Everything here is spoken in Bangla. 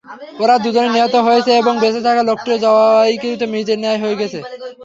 ওরা দুজনই নিহত হয়েছে এবং বেঁচে থাকা লোকটিও যবাইকৃত মৃতের ন্যায় হয়ে গেছে।